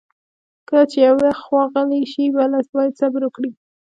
کله چې یوه خوا غلې شي، بله باید صبر وکړي.